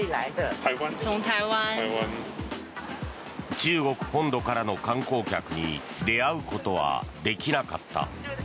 中国本土からの観光客に出会うことはできなかった。